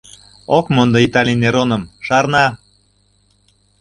Ок мондо Италий Нероным, шарна…